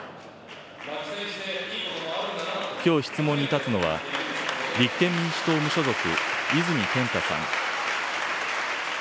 きょう質問に立つのは、立憲民主党・無所属、泉健太さん。